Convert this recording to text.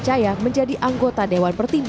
saya menganggap ini